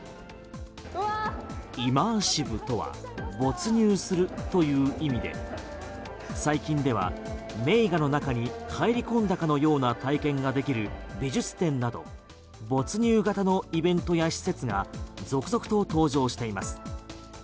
イマーシブとは没入するという意味で最近では名画の中に入り込んだかのような体験ができる美術展など没入型のイベントや施設が続々と登場しています。